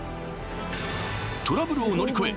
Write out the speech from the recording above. トラブルを乗り越え